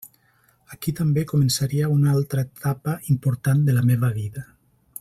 Aquí també començaria una altra etapa important de la meva vida.